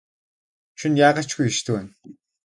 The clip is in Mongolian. Шөнө яагаа ч үгүй эрт байна.